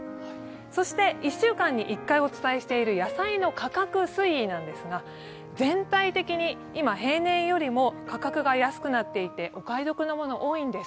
そして１週間に１回お伝えしている野菜の価格推移なんですが、全体的に今、平年よりも価格が安くなっていてお買い得なもの、多いんです。